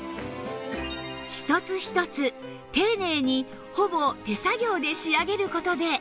一つ一つ丁寧にほぼ手作業で仕上げる事で